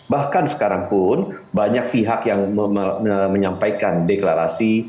bahkan sekarang pun banyak pihak yang menyampaikan deklarasi